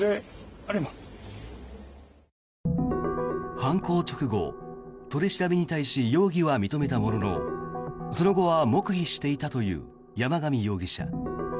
犯行直後、取り調べに対し容疑は認めたもののその後は黙秘していたという山上容疑者。